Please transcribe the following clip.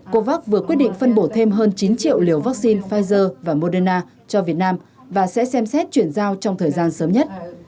covax vừa quyết định phân bổ thêm hơn chín triệu liều vaccine pfizer và moderna cho việt nam và sẽ xem xét chuyển giao trong thời gian sớm nhất